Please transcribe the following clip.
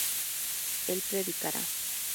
él predicará